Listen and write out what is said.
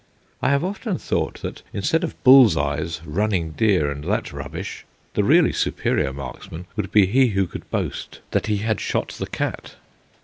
I have often thought that, instead of bull's eyes, running deer, and that rubbish, the really superior marksman would be he who could boast that he had shot the cat.